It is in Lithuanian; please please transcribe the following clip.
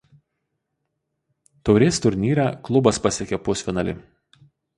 Taurės turnyre klubas pasiekė pusfinalį.